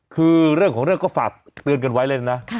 คือเรื่องของเรื่องก็ฝากเตือนกันไว้เลยนะ